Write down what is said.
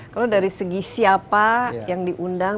kalau dari segi siapa yang diundang